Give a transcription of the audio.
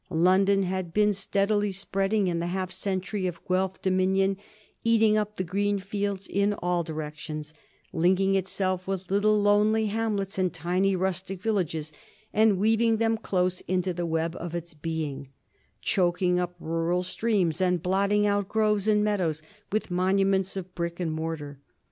London had been steadily spreading in the half century of Guelph dominion, eating up the green fields in all directions, linking itself with little lonely hamlets and tiny rustic villages, and weaving them close into the web of its being, choking up rural streams and blotting out groves and meadows with monuments of brick and mortar.